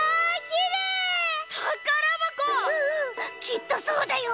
きっとそうだよ！